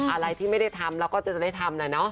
อะไรที่ไม่ได้ทำเราก็จะได้ทำนะเนาะ